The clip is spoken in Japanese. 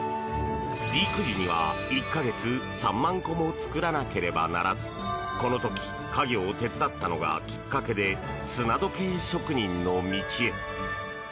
ピーク時には１か月３万個も作らなければならずこの時、家業を手伝ったのがきっかけで砂時計職人の道へ。